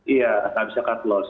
iya nggak bisa cut loss